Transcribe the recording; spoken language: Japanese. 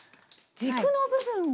軸の部分を。